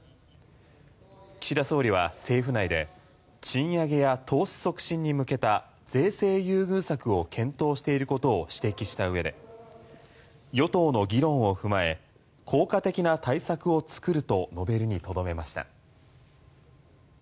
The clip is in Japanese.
岸田総理は政府内で賃上げや投資促進に向けた税制優遇策を検討していることを指摘したうえで与党の議論を踏まえ効果的な対策を作ると述べるにとどめました。